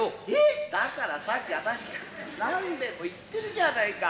だからさっきあたしが何べんも言ってるじゃないか。